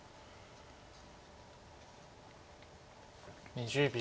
２０秒。